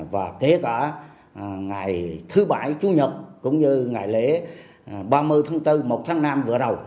và kể cả ngày thứ bảy chủ nhật cũng như ngày lễ ba mươi tháng bốn một tháng năm vừa rồi